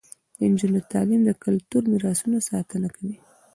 د نجونو تعلیم د کلتوري میراثونو ساتنه کوي.